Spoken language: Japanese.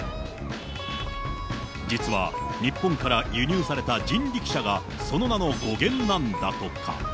実は日本から輸入された人力車が、その名の語源なんだとか。